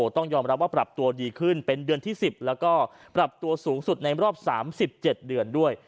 ต้องยอมรับว่าปรับตัวดีขึ้นเป็นเดือนที่๑๐แล้วก็ปรับตัวสูงสุดในรอบ๓๗เดือนด้วย